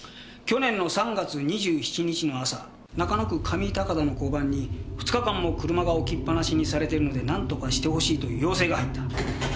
去年の３月２７日の朝中野区上高田の交番に２日間も車が置きっぱなしにされてるのでなんとかしてほしいという要請が入った。